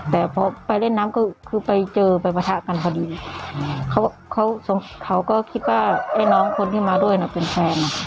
แต่พอไปเล่นน้ำก็คือไปเจอไปประทะกันพอดีเขาก็คิดว่าไอ้น้องคนที่มาด้วยนะเป็นแฟน